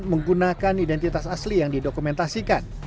menggunakan identitas asli yang didokumentasikan